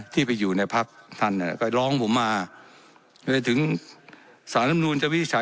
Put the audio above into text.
ที่ไปอยู่ในพักท์ท่านิก็ล้องผมมา